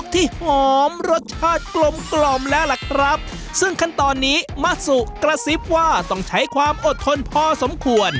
ตอนนี้มะสุกระซิบว่าต้องใช้ความอดทนพอสมควร